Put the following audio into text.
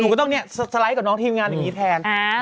หนูก็ต้องสไลด์กับน้องทีมงานอย่างนี้แทน